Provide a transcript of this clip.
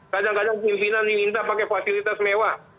kadang kadang pimpinan diminta pakai fasilitas mewah